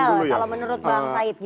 kalau menurut bang said